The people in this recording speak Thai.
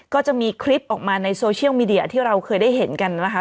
ก็จะมีคลิปออกมาในโซเชียลมีเดียที่เราเคยได้เห็นกันนะคะ